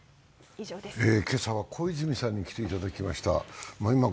今朝は小泉さんに来ていただきました。